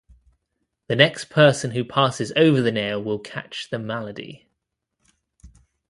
The next person who passes over the nail will catch the malady.